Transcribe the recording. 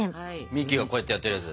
ミッキーがこうやってやってるやつ。